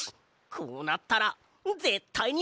こうなったらぜったいにあてるぞ！